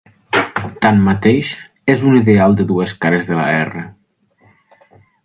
Tanmateix, és un ideal de dues cares de la "R".